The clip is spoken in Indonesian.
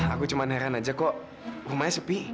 aku cuma heran aja kok rumahnya sepi